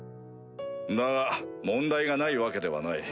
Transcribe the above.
だが問題がないわけではない。